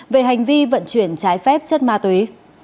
về hành vi vận chuyển trái phép chất ma túy